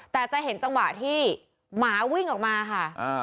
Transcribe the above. แต่จะเห็นจังหวะที่หมาวิ่งออกมาค่ะ